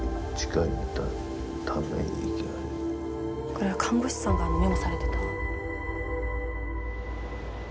これは看護師さんがメモされてた。